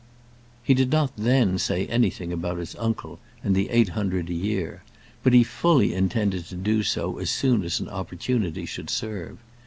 He did not then say anything about his uncle, and the eight hundred a year; but he fully intended to do so as soon as an opportunity should serve.